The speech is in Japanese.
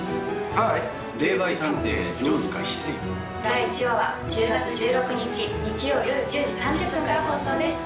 第１話は１０月１６日日曜夜１０時３０分から放送です。